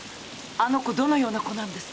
あの子どのような子なんですか？